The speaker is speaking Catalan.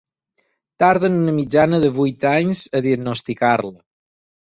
Tarden una mitjana de vuit anys a diagnosticar-la.